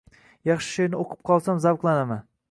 Yaxshi she’rni o‘qib qolsam, zavqlanaman.